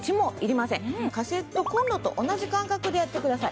カセットコンロと同じ感覚でやってください。